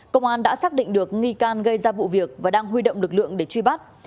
công an đã xác định được nghi can gây ra vụ việc và đang huy động lực lượng để truy bắt